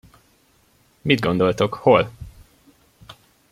Mit gondoltok, hol?